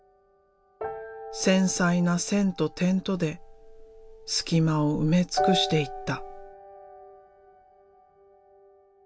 繊細な線と点とで隙間を埋め尽くしていった。